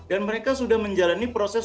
dan mereka sudah menjalani proses